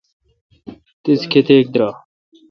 تیس کتیک درائ،؟